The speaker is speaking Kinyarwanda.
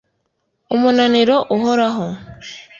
umunaniro uhoraho